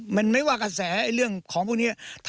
มันไม่ว่ากระแสเรื่องของพวกนี้